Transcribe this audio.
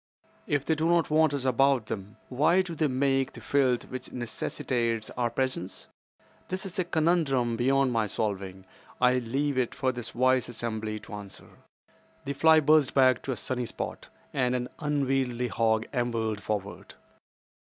If they do not want us about them, why do they make the filth which necessitates our presence? That is a conundrum beyond my solving. I leave it for this wise assembly to answer." The fly buzzed back to a sunny spot, and an unwieldy hog ambled forward.